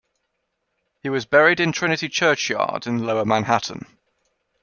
He was buried in Trinity Churchyard in lower Manhattan.